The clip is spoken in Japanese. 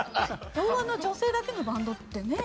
昭和の女性だけのバンドってねえ？